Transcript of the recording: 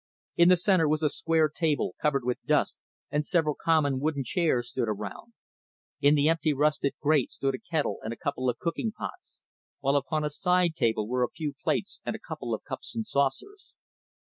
In the centre was a square table, covered with dust, and several common wooden chairs stood around. In the empty rusted grate stood a kettle and a couple of cooking pots, while upon a side table were a few plates and a couple of cups and saucers.